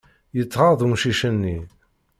Yettɣaḍ umcic-nni.